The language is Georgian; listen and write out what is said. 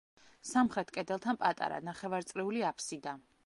სამხრეთ კედელთან პატარა, ნახევარწრიული აფსიდა.